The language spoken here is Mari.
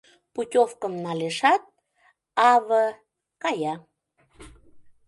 Путёвкым налешат, А.В. кая.